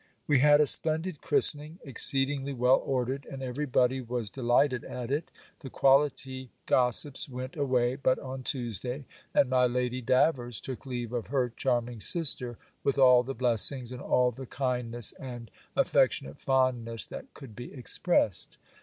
We had a splendid christening, exceedingly well ordered, and every body was delighted at it. The quality gossips went away but on Tuesday; and my Lady Davers took leave of her charming sister with all the blessings, and all the kindness, and affectionate fondness, that could be expressed.